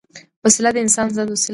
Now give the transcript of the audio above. وسله د انسان ضد وسیله ده